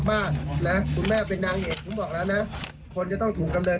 มากนะคุณแม่เป็นนางเอกผมบอกแล้วนะคนจะต้องถูกดำเนิน